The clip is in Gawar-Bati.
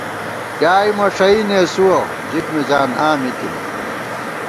ڈیائےمݭَئ نېسُوَہ، ژِک مِزان آں مِی تِمہ